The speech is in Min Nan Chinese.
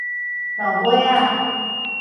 落尾仔